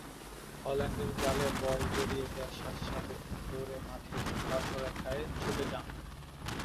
হল্যান্ডের জালে বল জড়িয়ে দেয়ার সাথে সাথে তিনি দৌড়ে মাঠের পার্শ্বরেখায় ছুটে যান।